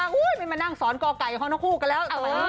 บางอุ๊ยมันมานั่งสอนกอไก่กับทั้ง๒ผู้กันแล้ว